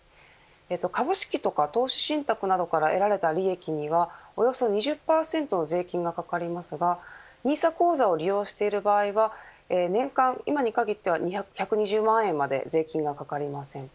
株式とか投資信託などから得られた利益にはおよそ２０％の税金がかかりますがＮＩＳＡ口座を利用している場合は年間、今に限っては１２０万円までは税金がかかりません。